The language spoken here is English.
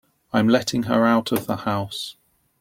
I'm letting her out of the house.